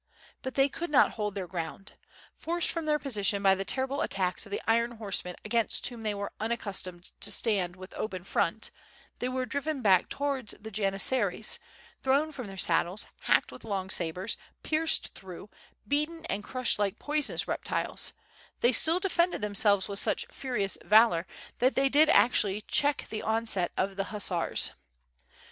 But they could not hold their ground. Forced from their position by the terrible attacks of the iron horsemen against whom they were un accustomed to stand with open front, they were driven back towards the Janissaries, thrown from their saddles, hacked with long sabres, pierced through, beaten and crushed like poisonous reptiles, they still defended themselves with such furious valor that they did actually check the onset of the hussars.